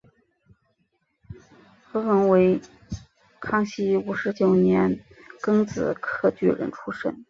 何衢为康熙五十九年庚子科举人出身。